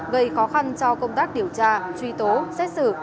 gây khó khăn cho công tác điều tra truy tố xét xử